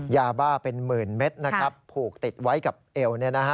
ยาบ้าเป็นหมื่นเม็ดนะครับผูกติดไว้กับเอว